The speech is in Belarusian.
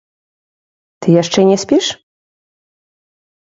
Ты яшчэ не спіш?